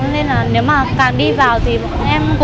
nên là nếu mà càng đi vào thì em cục giữa trường lại càng mất hàng hơn